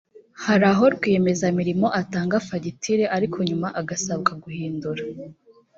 hari aho rwiyemezamirimo atanga fagitire ariko nyuma agasabwa guhindura